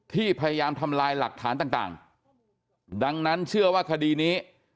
พยายามทำลายหลักฐานต่างดังนั้นเชื่อว่าคดีนี้